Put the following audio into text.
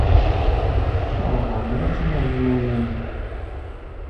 Kerheɣ m ara ttnaɣen imawlen-iw.